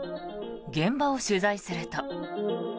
現場を取材すると。